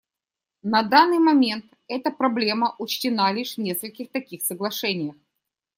На данный момент эта проблема учтена лишь в нескольких таких соглашениях.